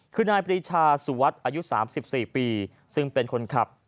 คือนายปรีชาสุวัสดิ์อายุ๓๔ปีซึ่งเป็นคนขับ